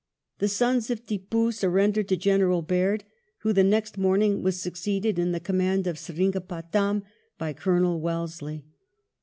The sons of Tippoo surrendered to General Baird, who the next morning was succeeded in the command of Seringa patam by Colonel Wellesley.